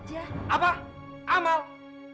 ini tidak lebih untuk amal kita saja